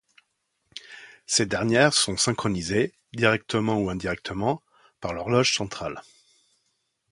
Ces dernières sont synchronisées, directement ou indirectement, par l'horloge centrale.